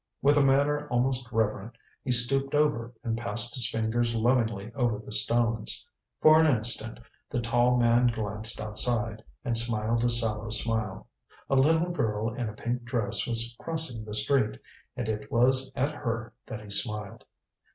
With a manner almost reverent he stooped over and passed his fingers lovingly over the stones. For an instant the tall man glanced outside, and smiled a sallow smile. A little girl in a pink dress was crossing the street, and it was at her that he smiled.